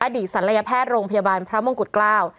ศัลยแพทย์โรงพยาบาลพระมงกุฎเกล้า